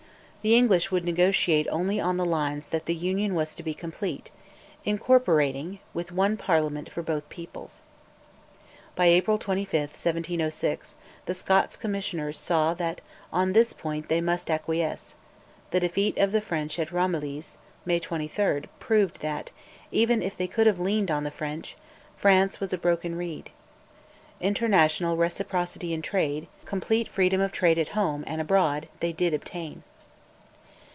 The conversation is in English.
The English would negotiate only on the lines that the Union was to be complete, "incorporating," with one Parliament for both peoples. By April 25, 1706, the Scots Commissioners saw that on this point they must acquiesce; the defeat of the French at Ramilies (May 23) proved that, even if they could have leaned on the French, France was a broken reed. International reciprocity in trade, complete freedom of trade at home and abroad, they did obtain.